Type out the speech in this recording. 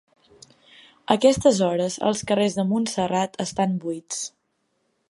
A aquestes hores els carrers de Montserrat estan buits.